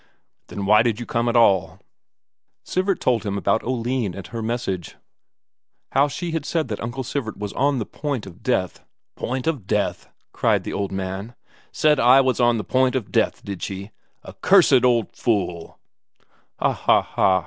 "Then why did you come at all?" Sivert told him about Oline and her message, how she had said that Uncle Sivert was on the point of death. "Point of death?" cried the old man. "Said I was on the point of death, did she? A cursed old fool!" "Ha ha ha!"